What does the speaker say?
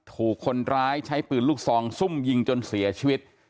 ถูกคนร้ายใช้ปืนลูกซองซุ่มยิงจนเสียชีวิต